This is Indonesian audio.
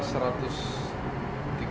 ini hari ini masak untuk berapa orang